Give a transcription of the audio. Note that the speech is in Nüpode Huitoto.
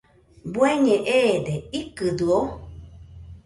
¿Bueñe eede?, ¿ikɨdɨo?